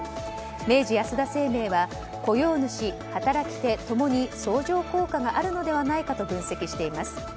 明治安田生命は雇用主、働き手共に相乗効果があるのではないかと分析しています。